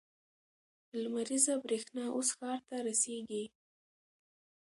لمریزه برېښنا اوس ښار ته رسیږي.